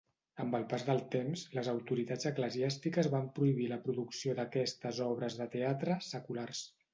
Amb el pas del temps, les autoritats eclesiàstiques van prohibir la producció d'aquestes obres de teatre "seculars".